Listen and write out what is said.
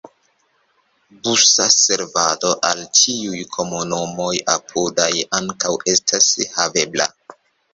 Busa servado al ĉiuj komunumoj apudaj ankaŭ estas havebla.